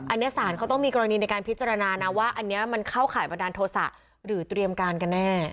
อันนี้ศาลเขาต้องมีกรณีในการพิจารณานะว่าอันนี้มันเข้าข่ายบันดาลโทษะหรือเตรียมการกันแน่